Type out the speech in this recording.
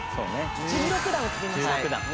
１６段を跳びました。